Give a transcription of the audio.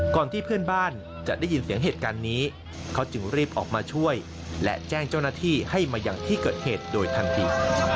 ก่อนที่เพื่อนบ้านจะได้ยินเสียงเหตุการณ์นี้เขาจึงรีบออกมาช่วยและแจ้งเจ้าหน้าที่ให้มาอย่างที่เกิดเหตุโดยทันที